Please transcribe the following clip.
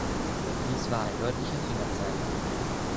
Dies war ein deutlicher Fingerzeig.